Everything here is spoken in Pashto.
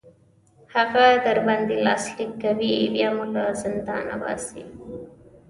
هغه در باندې لاسلیک کوي بیا مو له زندان باسي.